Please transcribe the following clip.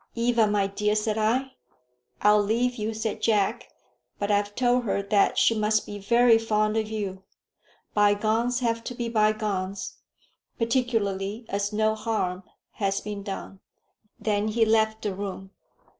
"Eva, my dear," said I. "I'll leave you," said Jack. "But I've told her that she must be very fond of you. Bygones have to be bygones, particularly as no harm has been done." Then he left the room.